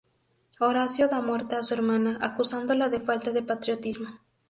Horacio da muerte a su hermana, acusándola de falta de patriotismo.